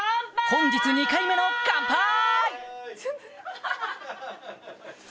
本日２回目のカンパイ！